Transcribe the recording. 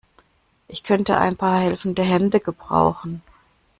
Ich könnte ein paar helfende Hände gebrauchen.